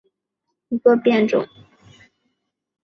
贡山鹅耳杨为桦木科鹅耳枥属下的一个变种。